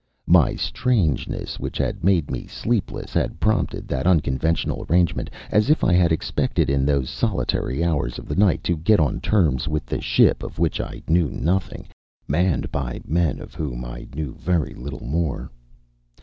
My strangeness, which had made me sleepless, had prompted that unconventional arrangement, as if I had expected in those solitary hours of the night to get on terms with the ship of which I knew nothing, manned by men of whom I knew very little more.